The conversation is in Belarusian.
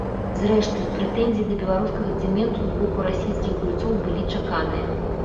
Зрэшты, прэтэнзіі да беларускага цэменту з боку расійскіх гульцоў былі чаканыя.